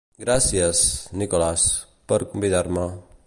Gràcies, Nicholas, per convidar-me.